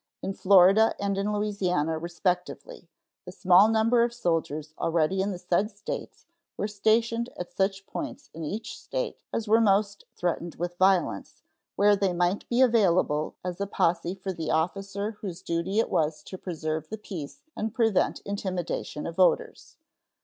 In Florida and in Louisiana, respectively, the small number of soldiers already in the said States were stationed at such points in each State as were most threatened with violence, where they might be available as a posse for the officer whose duty it was to preserve the peace and prevent intimidation of voters.